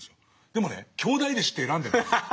でもね兄弟弟子って選んでない。